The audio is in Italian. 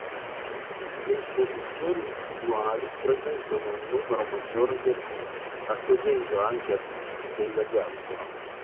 Le Esposizioni Individuali presentano un numero maggiore di artisti, accogliendo anche artisti della diaspora.